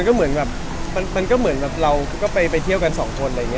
ความรู้สึกมันก็เหมือนเราไปเที่ยวกันสองคน